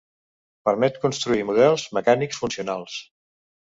Permet construir models mecànics funcionals.